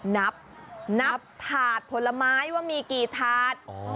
นับนับถาดผลไม้ว่ามีกี่ถาด